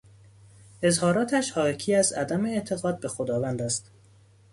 اظهاراتش حاکی از عدم اعتقاد به خداوند است.